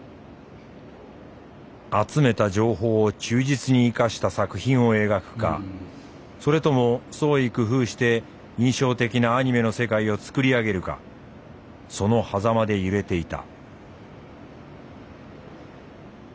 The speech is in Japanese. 集めた情報を忠実に生かした作品を描くかそれとも創意工夫して印象的なアニメの世界を作り上げるかそのはざまで揺れていた。